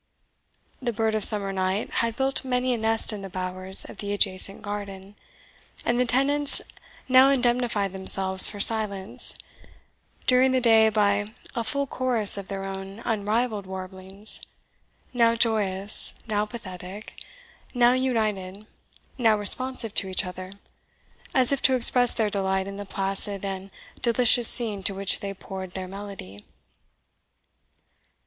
The bird of summer night had built many a nest in the bowers of the adjacent garden, and the tenants now indemnified themselves for silence during the day by a full chorus of their own unrivalled warblings, now joyous, now pathetic, now united, now responsive to each other, as if to express their delight in the placid and delicious scene to which they poured their melody.